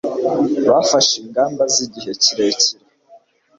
bafashe ingamba z'igihe kirekire